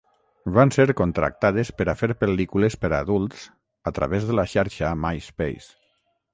Van ser contactades per a fer pel·lícules per adults, a través de la xarxa MySpace.